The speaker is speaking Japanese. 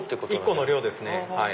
１個の量ですね。